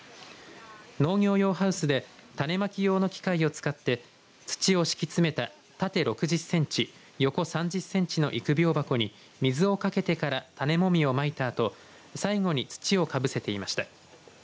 農業用ハウスで種まき用の機械を使って土を敷き詰めた縦６０センチ、横３０センチの育苗箱に水をかけてから種もみを巻いたあと最後に土をかぶせていました。